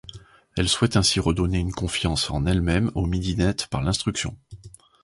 Elle souhaite ainsi redonner une confiance en elles-mêmes aux midinettes par l’instruction.